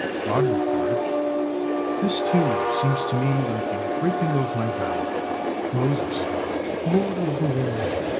God replied: "This, too, seems to Me like a breaking of My vow." Moses: "Lord of the world!